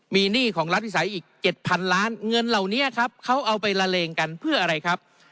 มีหนี้ของรัฐวิสัยอีก๗๐๐ล้านเงินเหล่านี้ครับเขาเอาไปละเลงกันเพื่ออะไรครับ